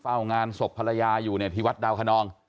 เฝ้างานศพภัยอยู่ที่วัดดาวานอม